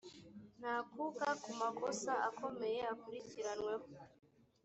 ntakuka ku makosa akomeye akurikiranweho